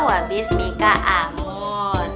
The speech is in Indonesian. wa bismillah amun